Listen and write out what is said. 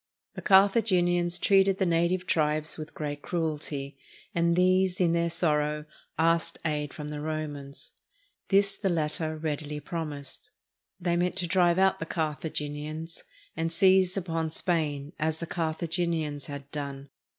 The Carthaginians treated the native tribes with great cruelty, and these, in their sorrow, asked aid from the Romans. This the latter readily promised. They meant to drive out the Carthaginians, and seize upon 423 SPAIN Spain, as the Carthaginians had done.